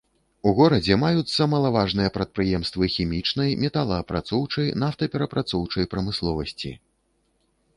У горадзе маюцца малаважныя прадпрыемствы хімічнай, металаапрацоўчай, нафтаперапрацоўчай прамысловасці.